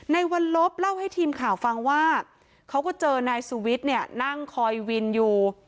ในวันลบเล่าให้ทีมข่าวฟังว่าเขาก็เจอนายสุวิทย์เนี่ยนั่งคอยวินอยู่